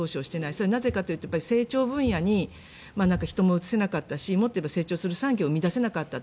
それはなぜかというと成長分野に人も移せなかったし成長する産業も生み出せなかった。